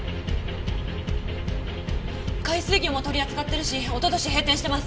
海水魚も取り扱ってるしおととし閉店してます。